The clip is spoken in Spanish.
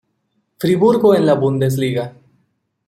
Friburgo en la Bundesliga.